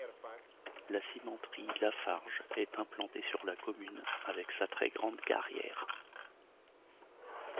La cimenterie Lafarge est implantée sur la commune avec sa très grande carrière.